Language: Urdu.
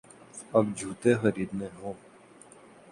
اب جوتے خریدنے ہوں۔